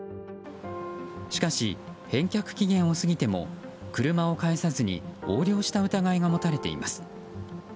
しかし返却期限を過ぎても車を返さずに横領した疑いが持たれています。